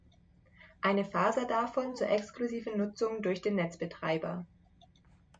Eine Faser davon zur exklusiven Nutzung durch den Netzbetreiber.